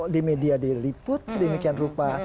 di media diliput sedemikian rupa